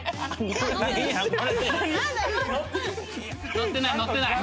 のってないのってない。